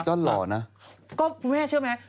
ไอ้จ้อนหล่อนะก็คุณแม่เชื่อไหม